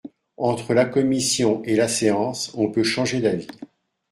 Entre la commission et la séance, on peut changer d’avis.